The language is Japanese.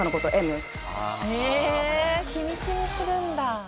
へえ秘密にするんだ。